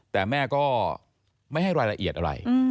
แต่แม่ก็ไม่ให้รายละเอียดอะไร